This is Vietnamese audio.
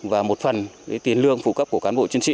và một phần tiền lương phụ cấp của cán bộ chiến sĩ